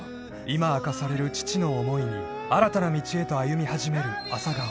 ［今明かされる父の思いに新たな道へと歩み始める朝顔］